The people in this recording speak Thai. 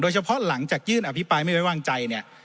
เฉพาะหลังจากยื่นอภิปรายไม่ไว้วางใจเนี่ย